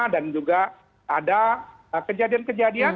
dan juga ada kejadian kejadian